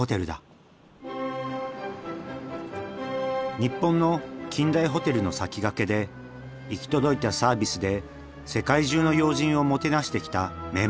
日本の近代ホテルの先駆けで行き届いたサービスで世界中の要人をもてなしてきた名門だ。